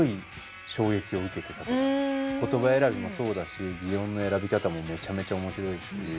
言葉選びもそうだし擬音の選び方もめちゃめちゃ面白いし。